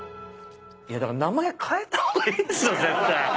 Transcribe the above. いやだから名前変えた方がいいっすよ絶対。